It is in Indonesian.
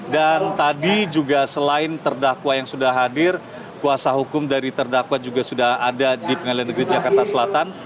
dan tadi juga selain terdakwa yang sudah hadir kuasa hukum dari terdakwa juga sudah ada di pengadilan negeri jakarta selatan